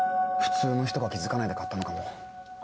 普通の人が気付かないで買ったのかも。